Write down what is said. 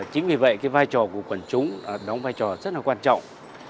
chính vì vậy cái vai trò của quần chúng đóng vai trò rất là quan trọng